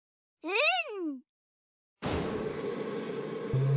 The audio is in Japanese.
うん！